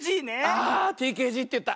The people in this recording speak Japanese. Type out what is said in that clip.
あＴＫＧっていった。